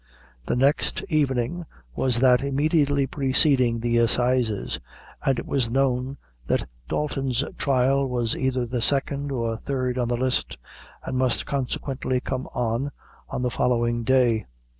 The next evening was that immediately preceding the assizes, and it was known that Dalton's trial was either the second or third on the list, and must consequently come on, on the following day.